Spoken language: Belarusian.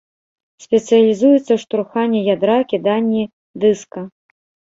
Спецыялізуецца ў штурханні ядра, кіданні дыска.